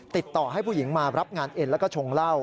ติดต่อให้ผู้หญิงมารับงานเอ็นแล้วก็ชงเหล้า